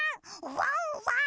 ワンワーン！